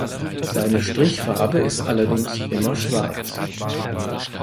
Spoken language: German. Seine Strichfarbe ist allerdings immer schwarz.